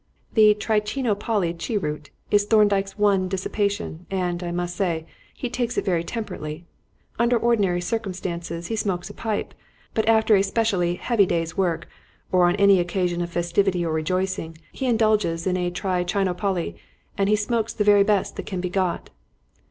The Trichinopoly cheroot is Thorndyke's one dissipation, and, I must say, he takes it very temperately. Under ordinary circumstances he smokes a pipe; but after a specially heavy day's work, or on any occasion of festivity or rejoicing, he indulges in a Trichinopoly, and he smokes the very best that can be got."